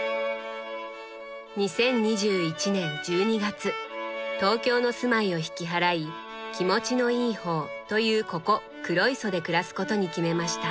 ２０２１年１２月東京の住まいを引き払い気持ちのいい方というここ黒磯で暮らすことに決めました。